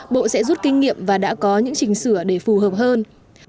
bộ sẽ rút kinh nghiệm và đã có những chỉnh sửa để phù hợp hơn